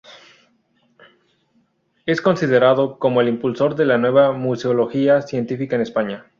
Está considerado como el impulsor de la nueva museología científica en España.